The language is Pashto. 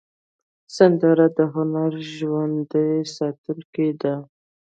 سندره د هنر ژوندي ساتونکی ده